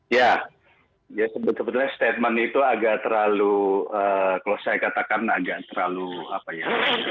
ya sebetulnya statement itu agak terlalu kalau saya katakan agak terlalu apa ya